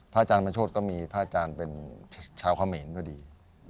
พ่ออาจารย์มโชฎก็มีพ่ออาจารย์เป็นชาวเคมเหน่ดูดี